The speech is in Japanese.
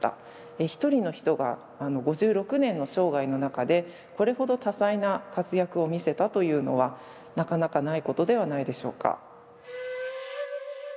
一人の人が５６年の生涯の中でこれほど多彩な活躍を見せたというのはなかなかないことではないでしょうか。